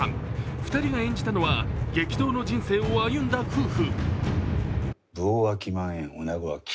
２人が演じたのは激闘の人生を歩んだ夫婦。